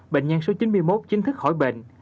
bệnh nhân số chín mươi một chính thức khỏi bệnh